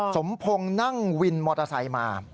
สมพงศ์นั่งวินมอเตอร์ไซค์มา